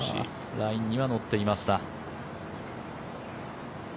ラインには乗っていました。